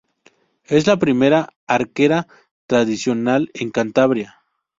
Es la primera arquera tradicional en Cantabria.